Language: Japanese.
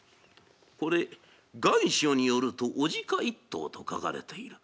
これ願書によると雄鹿一頭と書かれている。